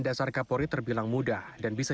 dasar kapolri terbilang mudah dan bisa